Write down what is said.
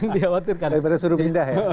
daripada disuruh pindah ya